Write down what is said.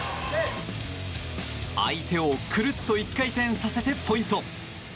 相手をくるっと１回転させてポイント。